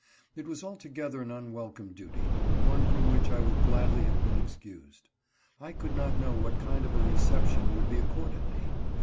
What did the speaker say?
It was altogether an unwelcome duty, and one from which I would gladly have been excused. I could not know what kind of a reception would be accorded me.